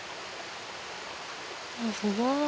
すごーい。